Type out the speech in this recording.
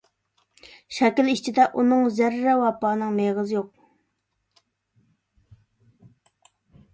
شاكىلى ئىچىدە ئۇنىڭ زەررە ۋاپانىڭ مېغىزى يوق.